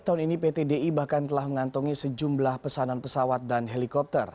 tahun ini pt di bahkan telah mengantongi sejumlah pesanan pesawat dan helikopter